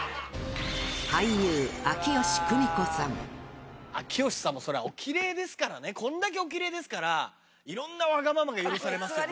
俳優、秋吉さんも、それは、おきれいですからね、こんだけおきれいですから、いろんなわがままが許されますよね。